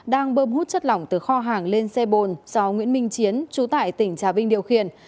đang bơm hút chất lỏng từ kho hàng lên xe bồn do nguyễn minh chiến chú tại tỉnh trà vinh điều khiển